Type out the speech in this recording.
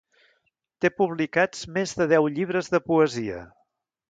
Té publicats més de deu llibres de poesia.